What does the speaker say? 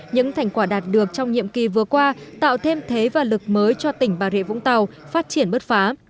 những thành quả đạt được trong nhiệm kỳ vừa qua tạo thêm thế và lực mới cho tỉnh bà rịa vũng tàu phát triển bất phá